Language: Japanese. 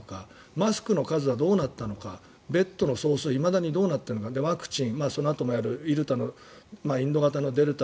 マスクの数はどうなったのかベッドの総数いまだにどうなっているのかワクチンそのあともやるインド型のデルタ